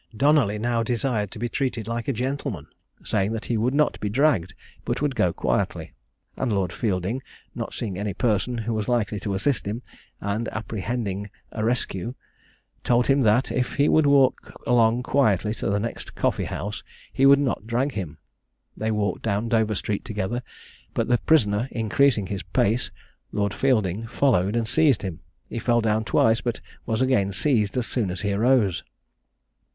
Donally now desired to be treated like a gentleman, saying he would not be dragged, but would go quietly, and Lord Fielding, not seeing any person who was likely to assist him, and apprehending a rescue, told him that, if he would walk along quietly to the next coffee house, he would not drag him. They walked down Dover street together; but the prisoner increasing his pace, Lord Fielding followed, and seized him. He fell down twice, but was again seized as soon as he arose.